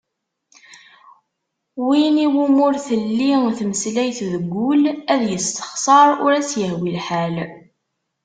Win iwumi ur telli tmeslayt deg wul, ad yessexser ur as-yehwi lḥal.